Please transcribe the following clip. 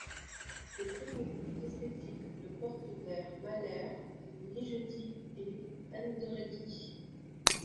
Ses premiers goûts esthétiques le portent vers Mahler, Ligeti et Penderecki.